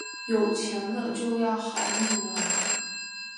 有钱了就要好命了啊